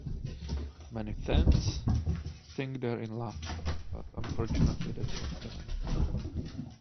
Many fans think they're in love, but unfortunately that's not canon.